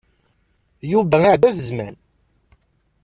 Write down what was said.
Yuba iɛedda-t zzman.